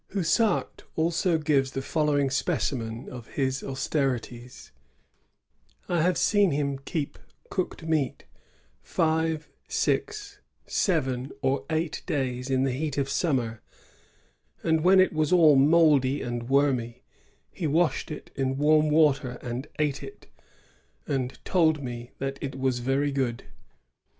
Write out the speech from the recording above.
^ Houssart also gives the following specimen of his austerities: " I have seen him keep cooked meat five, six, seven, or eight days in the heat of summer; and when it was all mouldy and wormy he washed it in warm water and ate it, and told me that it was very good."